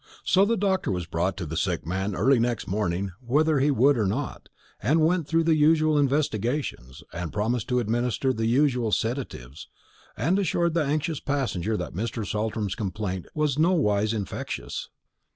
So the doctor was brought to the sick man early next morning whether he would or not, and went through the usual investigations, and promised to administer the usual sedatives, and assured the anxious passenger that Mr. Saltram's complaint was in nowise infectious.